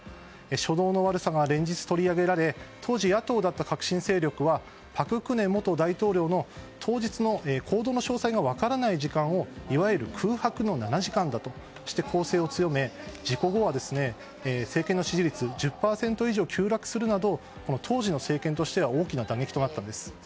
初動の悪さが連日、取り上げられ当時、野党だった革新勢力は朴槿惠元大統領の当日の行動の詳細が分からない時間をいわゆる空白の７時間だとして攻勢を強め事故後は政権の支持率１０％以上急落するなど当時の政権としては大きな打撃となったんです。